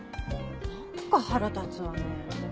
何か腹立つわね。